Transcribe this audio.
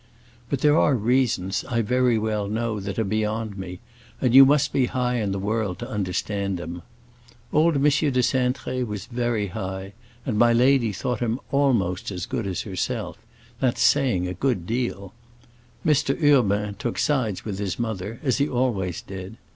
But there are reasons, I very well know, that are beyond me, and you must be high in the world to understand them. Old M. de Cintré was very high, and my lady thought him almost as good as herself; that's saying a good deal. Mr. Urbain took sides with his mother, as he always did.